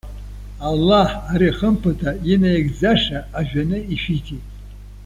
Аллаҳ ари хымԥада инаигӡаша ажәаны ишәиҭеит.